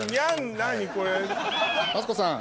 マツコさん